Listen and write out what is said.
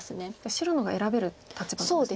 白の方が選べる立場なんですね。